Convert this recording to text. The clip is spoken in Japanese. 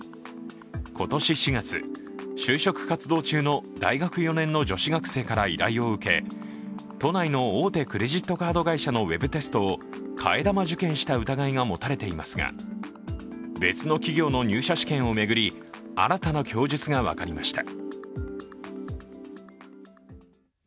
今年４月、就職活動中の大学４年の女子学生から依頼を受け、都内の大手クレジットカード会社のウェブテストを替え玉受検した疑いが持たれていますが別の企業の入社試験を巡り新たな供述が分かりました。